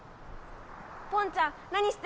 ポンちゃん何してるの？